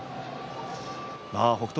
北勝